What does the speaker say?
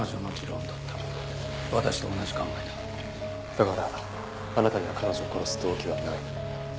だからあなたには彼女を殺す動機はない？